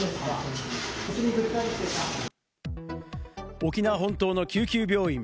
沖縄本島の救急病院。